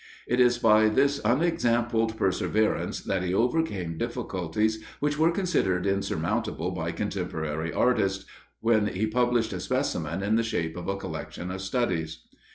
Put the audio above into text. It is by this unexampled perseverance that he overcame difficulties which were considered insurmountable by contemporary artists, when he published a specimen in the shape of a collection of studies.